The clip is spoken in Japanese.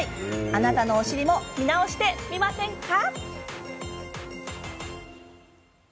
あなたのお尻も見直してみませんか？